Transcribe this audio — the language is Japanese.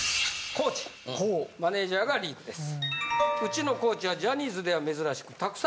マネジャーがリークです。